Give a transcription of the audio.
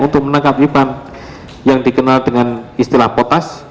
untuk menangkap ipan yang dikenal dengan istilah potas